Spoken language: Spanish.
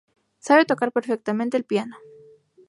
Sabe tocar perfectamente el piano.